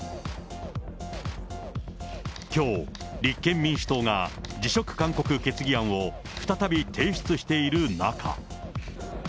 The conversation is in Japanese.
きょう、立憲民主党が、辞職勧告決議案を再び提出している中。